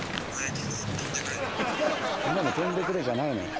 「頼む飛んでくれ」じゃないのよ。